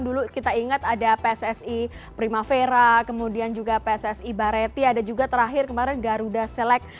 dulu kita ingat ada pssi primavera kemudian juga pssi bareti ada juga terakhir kemarin garuda selek